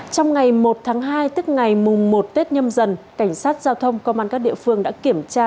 trong ngày một tháng hai tức ngày mùng một tết nhâm dần cảnh sát giao thông công an các địa phương đã kiểm tra